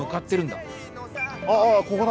ああここだ。